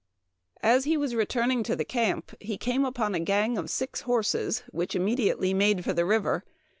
" As he was returning to the camp he came upon a gang of six horses, which immediately made for the river.